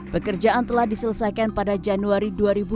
pekerjaan telah diselesaikan pada januari dua ribu dua puluh